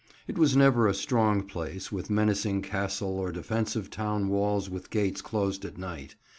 It was never a strong place, with menacing castle or defensive town walls with gates closed at night.